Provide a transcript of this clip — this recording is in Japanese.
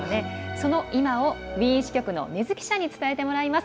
その今も、ウィーン支局の禰津記者に伝えてもらいます。